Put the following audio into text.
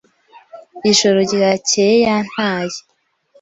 Ijoro ryakeye yantaye.